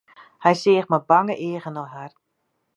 Hy seach mei bange eagen nei har.